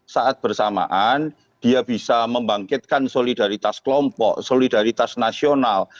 saat bersamaan dia bisa membangkitkan solidaritas kelompok solidaritas nasional